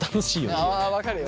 分かるよ。